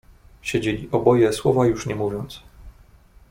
"Siedzieli oboje słowa już nie mówiąc."